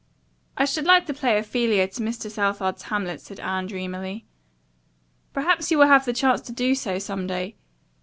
"I should like to play Ophelia to Mr. Southard's Hamlet," said Anne dreamily. "Perhaps you will have the chance to do so some day.